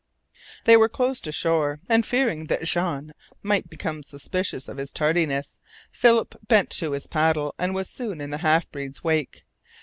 They were close to shore, and fearing that Jean might become suspicious of his tardiness, Philip bent to his paddle and was soon in the half breed's wake.